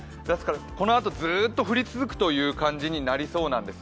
このあとずっと降り続く感じになりそうです。